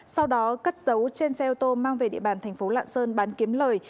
sau đó cất dấu trên xe ô tô mang về địa bàn thành phố lạng sơn bán kiếm lời